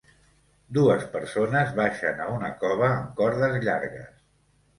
Dues persones baixen a una cova amb cordes llargues.